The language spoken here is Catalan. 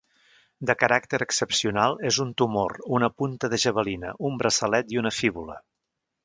De caràcter excepcional és un tumor, una punta de javelina, un braçalet i una fíbula.